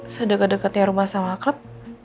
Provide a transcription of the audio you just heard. sedekat dekatnya rumah sama klub